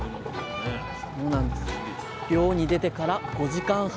漁に出てから５時間半。